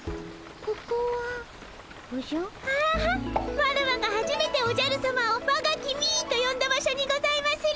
ワラワがはじめておじゃるさまを「わが君」とよんだ場所にございまする！